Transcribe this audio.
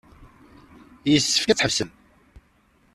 Yessefk ad tḥebsem.